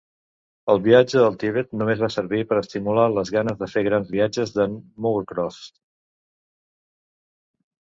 El viatge al Tibet només va servir per estimular les ganes de fer grans viatges de"n Moorcroft.